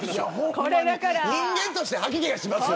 人間として吐き気がします。